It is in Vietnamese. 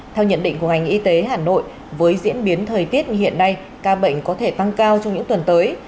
theo nhận định của ngành y tế hà nội với diễn biến thời tiết như hiện nay ca bệnh có thể tăng cao trong những tuần tới